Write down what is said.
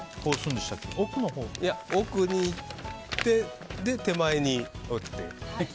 奥にいって手前に折って。